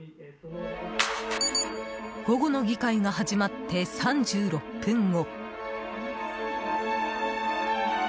午後の議会が始まって３６分後。